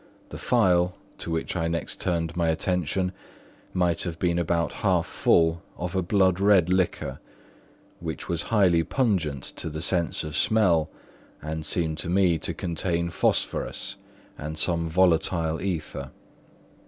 The phial, to which I next turned my attention, might have been about half full of a blood red liquor, which was highly pungent to the sense of smell and seemed to me to contain phosphorus and some volatile ether.